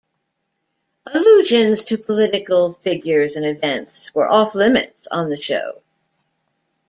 Allusions to political figures and events were off-limits on the show.